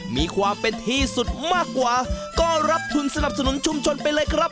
มีความเป็นที่สุดมากกว่าก็รับทุนสนับสนุนชุมชนไปเลยครับ